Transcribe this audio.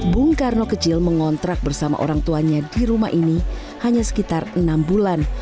bung karno kecil mengontrak bersama orang tuanya di rumah ini hanya sekitar enam bulan